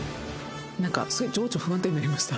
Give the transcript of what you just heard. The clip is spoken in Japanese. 何かすごい情緒不安定になりました